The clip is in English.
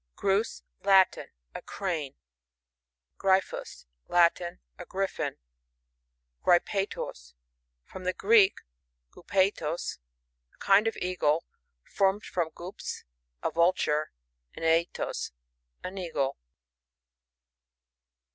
Grus. — Latin. A Crane. Gryfhus. — Latin. A Griffin. Gypaetos. — From the Greek, gupaie t08j a kind of eagle ; formed from gyps^ a Vulture, and aietos^ au Eagle.